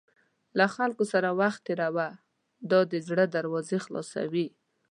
له خلکو سره وخت تېروه، دا د زړه دروازې خلاصوي.